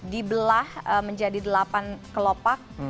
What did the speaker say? dibelah menjadi delapan kelopak